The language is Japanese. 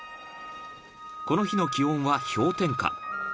［この日の気温は氷点下］